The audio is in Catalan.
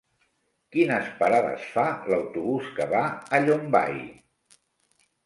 Quines parades fa l'autobús que va a Llombai?